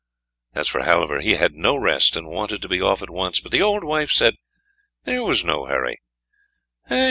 As for Halvor, he had no rest, and wanted to be off at once, but the old wife said there was no hurry.